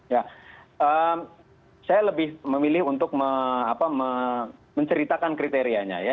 ya saya lebih memilih untuk menceritakan kriterianya ya